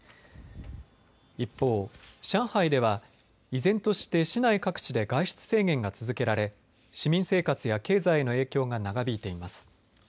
一方、上海では依然として市内各地で外出制限が続けられ市民生活や経済への影響が長引いています。